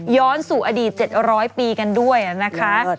สู่อดีต๗๐๐ปีกันด้วยนะคะ